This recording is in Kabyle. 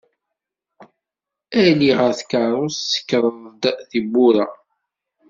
Ali ɣer tkeṛṛust tsekkreḍ-d tiwwura.